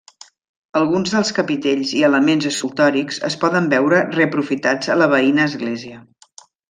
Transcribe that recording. Alguns dels capitells i elements escultòrics es poden veure reaprofitats a la veïna església.